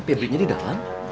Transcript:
pebri nya di dalam